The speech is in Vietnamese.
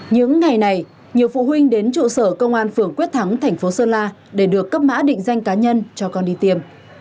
những ngày này nhiều phụ huynh đến trụ sở công an phường quyết thắng thành phố sơn la để được cấp mã định danh cá nhân cho con đi tiêm